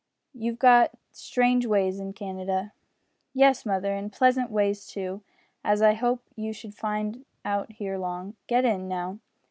You've got strange ways in Canada." "Yes, mother, and pleasant ways too, as I hope you shall find out ere long. Get in, now.